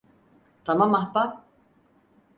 Tamam ahbap.